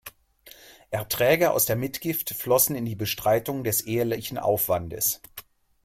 Erträge aus der Mitgift flossen in die Bestreitung des ehelichen Aufwandes.